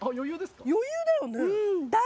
余裕だよね。